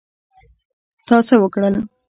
تا څه وکړل؟